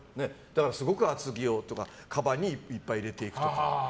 すごく厚着をとかかばんにいっぱい入れていくとか。